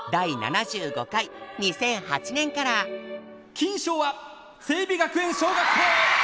・金賞は星美学園小学校！